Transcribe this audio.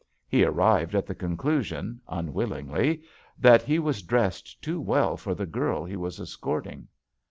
He arrived at the conclusion, un willingly, that he was dressed too well for the girl he was escorting.